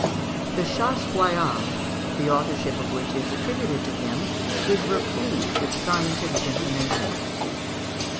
The "Chasse Royale," the authorship of which is attributed to him, is replete with scientific information.